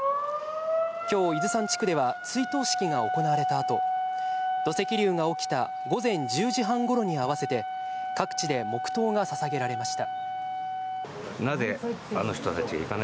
きょう伊豆山地区では追悼式が行われた後、土石流が起きた午前１０時半ごろに合わせて、各地で黙とうが捧げられました。